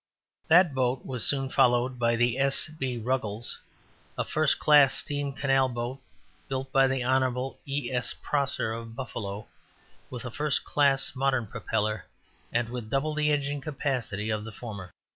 That boat was soon followed by the S. B. Ruggles, a first class steam canal boat, built by the Hon. E. S. Prosser, of Buffalo, with a first class modern propeller, and with double the engine capacity of the former.